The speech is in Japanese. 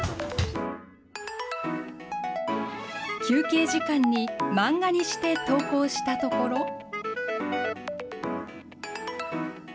休憩時間に、マンガにして投稿したところ。